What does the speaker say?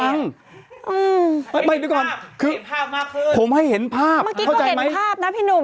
เห็นภาพเห็นภาพมากขึ้นผมให้เห็นภาพเข้าใจไหมเมื่อกี้ก็เห็นภาพนะพี่หนุ่ม